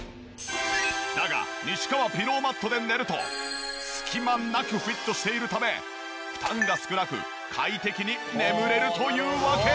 だが西川ピローマットで寝ると隙間なくフィットしているため負担が少なく快適に眠れるというわけ。